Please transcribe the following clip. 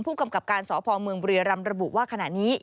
ผู้กำกับการสพเมืองบุรีรำระบุว่าขณะนี้